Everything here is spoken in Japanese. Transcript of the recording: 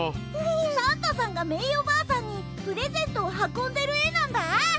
サンタさんがメイおばあさんにプレゼントを運んでる絵なんだ！